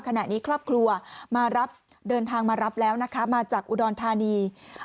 ขณะนี้ครอบครัวมารับเดินทางมารับแล้วนะคะมาจากอุดรธานี